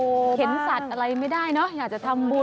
เห็นสัตว์อะไรไม่ได้เนอะอยากจะทำบุญ